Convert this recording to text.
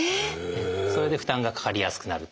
それで負担がかかりやすくなる。